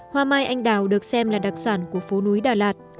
hoa mai anh đào được xem là đặc sản của phố núi đà lạt